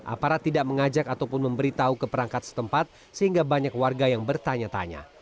aparat tidak mengajak ataupun memberitahu ke perangkat setempat sehingga banyak warga yang bertanya tanya